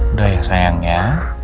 udah ya sayang ya